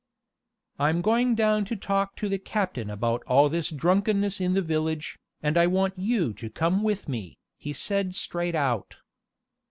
"I'm going down to talk to the captain about all this drunkenness in the village, and I want you to come with me," he said straight out.